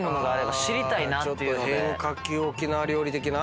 ちょっと変化球沖縄料理的な？